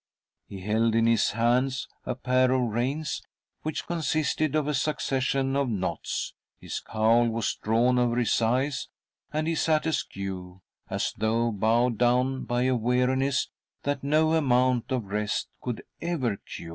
He held in his hands a pair of reins which consisted of a succession of knots, his cowl was drawn over his eyes, and he sat askew, as though bowed down by a weariness that no amount of rest could ever cure